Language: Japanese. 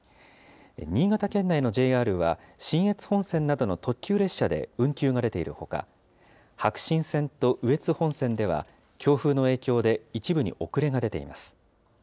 新潟県内のＪＲは、信越本線などの特急列車で運休が出ているほか、白新線と羽越本線では、強風の影響で一部に遅れが出ています。